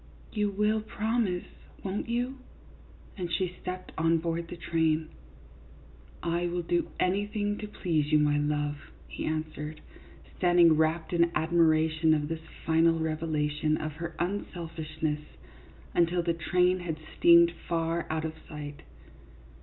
You will promise, won't you ?" and she stepped on board the train. " I will do anything to please you, my love," he answered, standing wrapped in admiration of this final revelation of her unselfishness until the train had steamed far out of sight.